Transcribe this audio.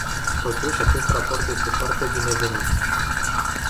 Totuși, acest raport este foarte binevenit.